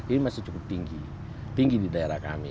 ini masih cukup tinggi tinggi di daerah kami